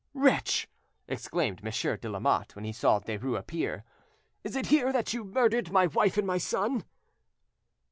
"Wretch!" exclaimed Monsieur de Lamotte, when he saw Derues appear, "is it here that you murdered my wife and my son?"